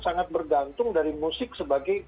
sangat bergantung dari musik sebagai